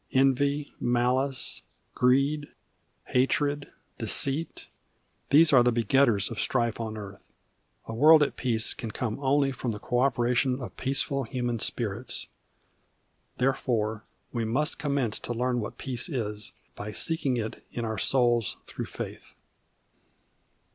Envy, malice, greed, hatred, deceit, these are the begetters of strife on earth. A world at peace can come only from the cooperation of peaceful human spirits. Therefore we must commence to learn what peace is, by seeking it in our souls through faith.